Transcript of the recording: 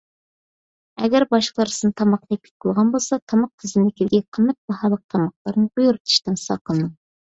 ئەگەر باشقىلار سىزنى تاماققا تەكلىپ قىلغان بولسا، تاماق تىزىملىكىدىكى قىممەت باھالىق تاماقلارنى بۇيرۇتۇشتىن ساقلىنىڭ.